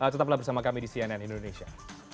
tetaplah bersama kami di cnn indonesia